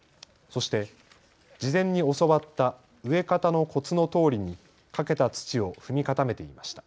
そして、事前に教わった植え方のコツのとおりにかけた土を踏み固めていました。